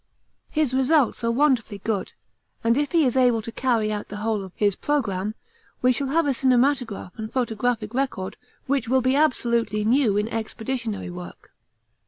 His results are wonderfully good, and if he is able to carry out the whole of his programme, we shall have a cinematograph and photographic record which will be absolutely new in expeditionary work.